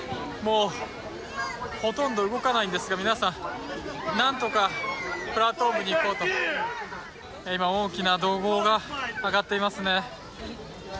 もう、ほとんど動かないんですが、皆さん、何とかプラットフォームに行こうと今、大きな怒号が上がっていますね。